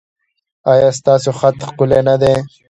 ایا ستاسو خط ښکلی نه دی؟